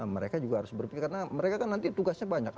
mereka juga harus berpikir karena mereka kan nanti tugasnya banyak